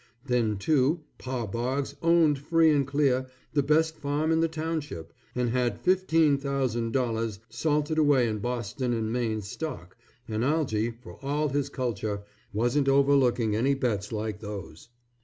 Then, too, Pa Boggs owned free and clear the best farm in the township, and had $15,000 salted away in Boston and Maine stock, and Algy, for all his culture, wasn't overlooking any bets like those.